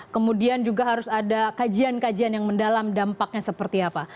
kemudian juga harus ada kajian kajian yang mendalam dampaknya seperti apa